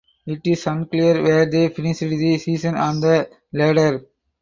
It is unclear where they finished the season on the ladder.